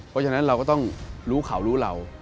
เพราะฉะนั้นเราก็ต้องรู้เขารู้เรา